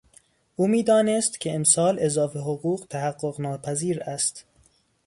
او میدانست که امسال اضافه حقوق تحققناپذیر است.